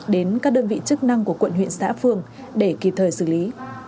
đến các đơn vị chức năng của quận huyện xã phường để kịp thời xử lý